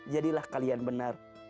jadilah kalian benar